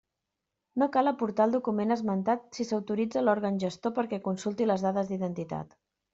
No cal aportar el document esmentat si s'autoritza l'òrgan gestor perquè consulti les dades d'identitat.